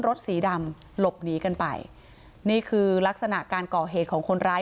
รถสีดำหลบหนีกันไปนี่คือลักษณะการก่อเหตุของคนร้าย